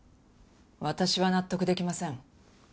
私は納得できません。